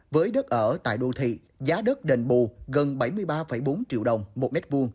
với đất ở tại đô thị giá đất đền bù gần bảy mươi ba bốn triệu đồng một m hai